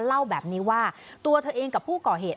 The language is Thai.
เล่าแบบนี้ว่าตัวเธอเองกับผู้ก่อเหตุ